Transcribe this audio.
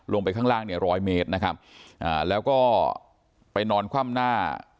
ลงไปข้างล่างเนี่ยร้อยเมตรนะครับอ่าแล้วก็ไปนอนคว่ำหน้า